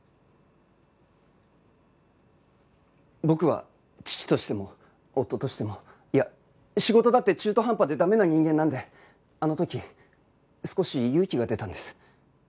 僕は父としても夫としてもいや仕事だって中途半端で駄目な人間なんであの時少し勇気が出たんです。